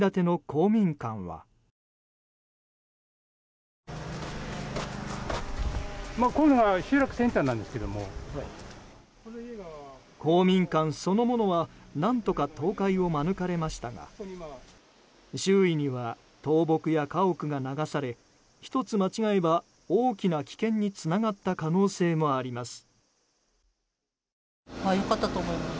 公民館そのものは何とか倒壊を免れましたが周囲には倒木や家屋が流され１つ間違えば大きな危険につながった可能性もあります。